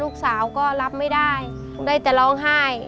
ลูกสาวก็รับไม่ได้ได้แต่ร้องไห้